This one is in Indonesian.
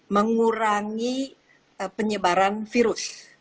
mengurangi penyebaran virus